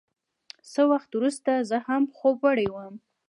څه وخت وروسته زه هم خوب وړی وم.